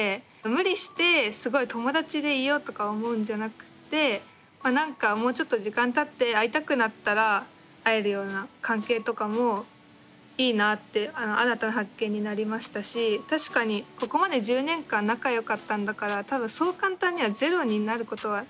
無理してすごい友達でいようとか思うんじゃなくてなんかもうちょっと時間たって会いたくなったら会えるような関係とかもいいなって新たな発見になりましたし確かにここまで１０年間仲よかったんだから多分そう簡単にはゼロになることはないと思うんですよ。